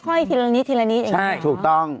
ค่อยทีละนิดเองนะครับใช่ถูกต้อง